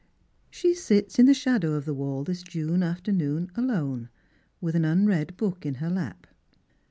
She sits in the shadow of the wall this June afternoon alone, with an unread book in her lap.